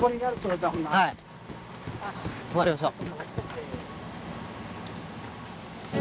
止まりましょう。